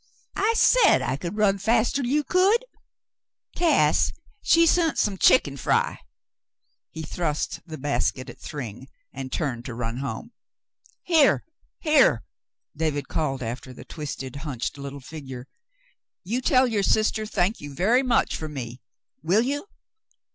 "I said I could run faster'n you could. Cass, she sont some th' chick'n fry." He thrust the basket at Thryng and turned to run home. "Here, here !" David called after the twisted, hunched little figure. "You tell your sister 'thank you very much,' for me. Will you?"